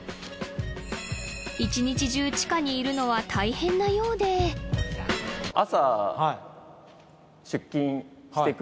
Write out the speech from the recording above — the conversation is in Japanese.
一日中地下にいるのは大変なようであ！